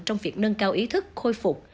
trong việc nâng cao ý thức khôi phục